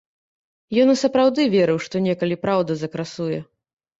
Ён і сапраўды верыў, што некалі праўда закрасуе.